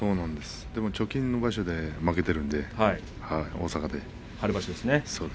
直近の場所で負けているので大阪で、春場所ですね。